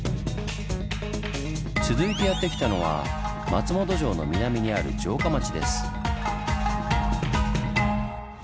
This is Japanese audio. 続いてやって来たのは松本城の南にある城下町です。